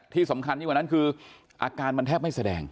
ที่สำคัญยิ่งกว่านั้นคืออาการมันแทบไม่แสดง